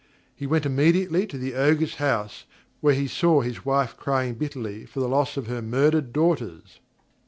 He went immediately to the Ogre's house, where he saw his wife crying bitterly for the loss of her murdered daughters.